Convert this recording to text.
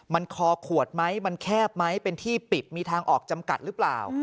มันคอขวดไหมมันแคบไหมเป็นที่ปิดมีทางออกจำกัดหรือเปล่า